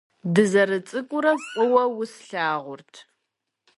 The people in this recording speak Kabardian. Дызэрыцӏыкӏурэ фӏыуэ услъагъурт.